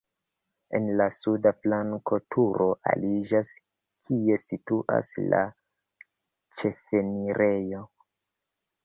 En la suda flanko turo aliĝas, kie situas la ĉefenirejo.